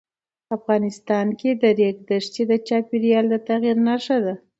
افغانستان کې د ریګ دښتې د چاپېریال د تغیر نښه ده.